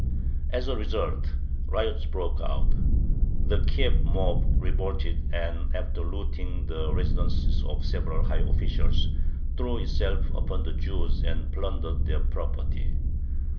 As a result, riots broke out. The Kiev mob revolted, and, after looting the residences of several high officials, threw itself upon the Jews and plundered their property.